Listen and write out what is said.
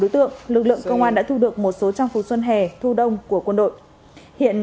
tượng lực lượng công an đã thu được một số trang phục xuân hè thu đông của quân đội hiện